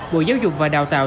bộ giáo dục và đào tạo